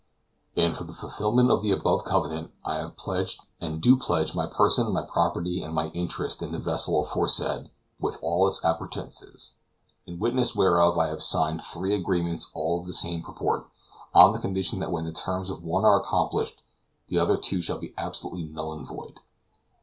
And for the fulfillment of the above covenant, I have pledged and do pledge my person, my property, and my interest in the vessel aforesaid, with all its appurtenances. In witness whereof, I have signed three agreements all of the same purport, on the condition that when the terms of one are accomplished, the other two shall be absolutely null and void.